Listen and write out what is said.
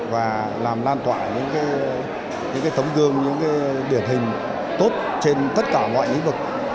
và làm lan tỏa những tấm gương những điển hình tốt trên tất cả mọi lĩnh vực